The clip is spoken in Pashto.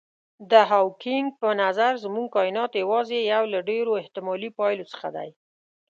د هاوکېنګ په نظر زموږ کاینات یوازې یو له ډېرو احتمالي پایلو څخه دی.